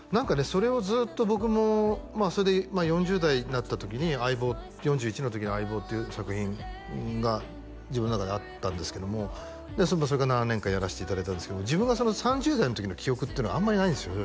それをずっと僕もまあそれで４０代になった時に「相棒」４１の時に「相棒」という作品が自分の中であったんですけどもそれから７年間やらせていただいたんですけども自分が３０代の時の記憶っていうのがあんまりないんですよ